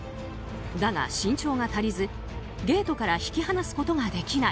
だが、身長が足りず、ゲートから引き離すことができない。